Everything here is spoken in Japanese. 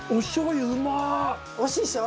平野：おいしいでしょ？